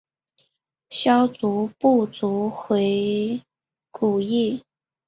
萧族部族回鹘裔。